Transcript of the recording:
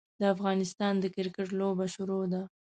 د افغانستان د کرکیټ لوبه شروع ده.